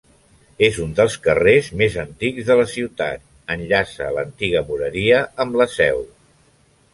És un dels carrers més antics de la ciutat; enllaça l'antiga moreria amb la seu.